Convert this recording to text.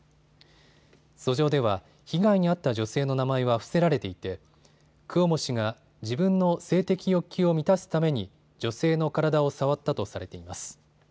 訴状では被害に遭った女性の名前は伏せられていてクオモ氏が自分の性的欲求を満たすために女性の体を触ったとされています。